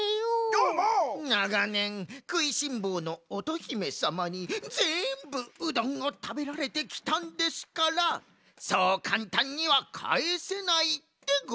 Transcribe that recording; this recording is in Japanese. ながねんくいしんぼうの乙姫さまにぜんぶうどんをたべられてきたんですからそうかんたんにはかえせないでございます。